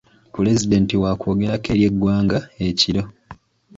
Pulezidenti wakwogerako eri eggwanga ekiro.